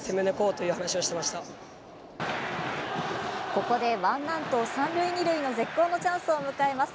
ここでワンアウト３塁２塁の絶好のチャンスを迎えます。